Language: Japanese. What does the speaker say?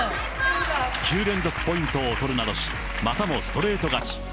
９連続ポイントを取るなどし、またもストレート勝ち。